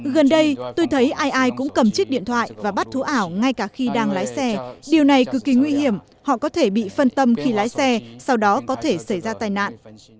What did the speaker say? gần đây tôi thấy ai ai cũng cầm chiếc điện thoại và bắt thú ảo ngay cả khi đang lái xe điều này cực kỳ nguy hiểm họ có thể bị phân tâm khi lái xe sau đó có thể xảy ra tai nạn